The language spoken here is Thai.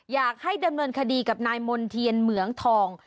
อยากให้ดำเนินคดีกับนายมณ์เทียนเหมืองทอง